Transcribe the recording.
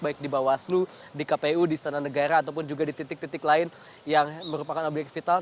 baik di bawaslu di kpu di istana negara ataupun juga di titik titik lain yang merupakan obyek vital